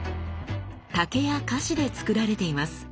竹や樫で作られています。